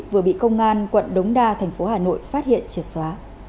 vừa bị công an quận đống đa tp hà nội phát hiện triệt xóa